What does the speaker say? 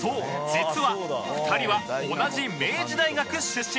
実は２人は同じ明治大学出身